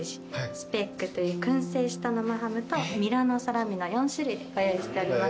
スペックという薫製した生ハムとミラノサラミの４種類ご用意しております。